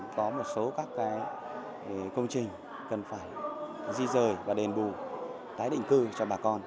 có một số các công trình cần phải di rời và đền bù tái định cư cho bà con